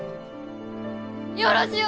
よろしゅう